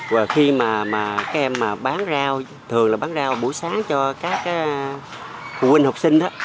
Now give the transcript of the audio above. rồi khi mà các em bán rau thường là bán rau buổi sáng cho các quân học sinh